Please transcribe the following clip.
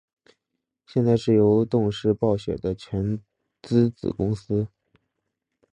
现在是由动视暴雪的全资子公司。